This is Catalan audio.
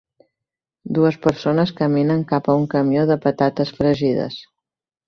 Dues persones caminen cap a un camió de patates fregides.